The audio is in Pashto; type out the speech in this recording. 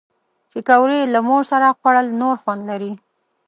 پکورې له مور سره خوړل نور خوند لري